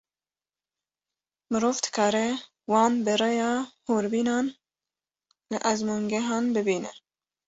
Mirov dikare wan bi rêya hûrbînan li ezmûngehan bibîne.